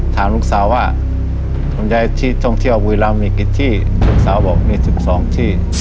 ถามลูกสาวว่าท่องเที่ยวบุยรัมมีกี่ที่ลูกสาวบอกมีสิบสองที่